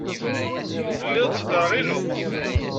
Telliḍ tettderɣileḍ.